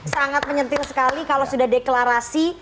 sangat menyentil sekali kalau sudah deklarasi